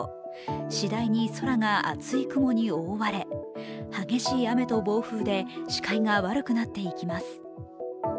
次第に空が厚い雲に覆われ激しい雨と暴風で視界が悪くなっていきます。